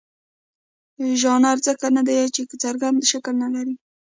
ژانر ځکه نه دی چې څرګند شکل نه لري.